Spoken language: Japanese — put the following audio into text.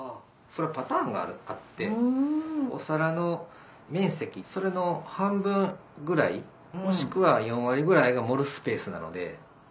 パターンがあってお皿の面積それの半分ぐらいもしくは４割ぐらいが盛るスペースなので。